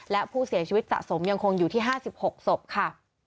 และผู้เสียชีวิตสะสมยังคงอยู่ที่๕๖ศพค่ะ